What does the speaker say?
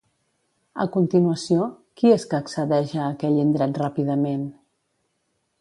A continuació, qui és que accedeix a aquell indret ràpidament?